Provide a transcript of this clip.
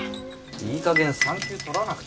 いいかげん産休取らなくていいのかよ。